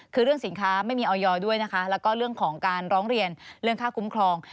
คือเรื่องสินค้าไม่มีออยด้วยนะคะแล้วก็เรื่องของการร้องเรียนเรื่องค่าคุ้มครอง